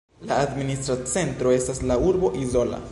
La administra centro estas la urbo Izola.